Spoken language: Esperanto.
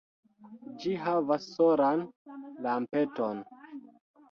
Ĝi havas solan lampeton.